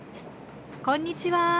こんにちは。